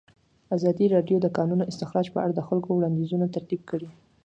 ازادي راډیو د د کانونو استخراج په اړه د خلکو وړاندیزونه ترتیب کړي.